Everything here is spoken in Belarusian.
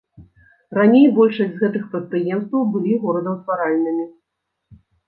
Раней большасць з гэтых прадпрыемстваў былі горадаўтваральнымі.